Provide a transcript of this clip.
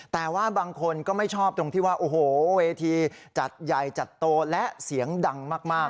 แต่ว่าบางคนก็ไม่ชอบตรงที่ว่าโอ้โหเวทีจัดใหญ่จัดโตและเสียงดังมาก